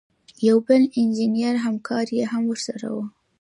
یو بل انجینر همکار یې هم ورسره و.